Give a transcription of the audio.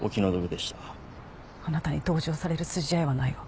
あなたに同情される筋合いはないわ。